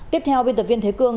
tiếp theo biên tập viên thế cương